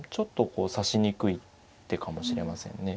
こう指しにくい手かもしれませんね。